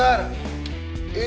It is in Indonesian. ya teman ini